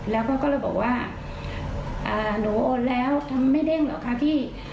แล้วก็ก็เลยบอกว่าหนูโอนแล้วทำไม่เด้งเหรอคะพี่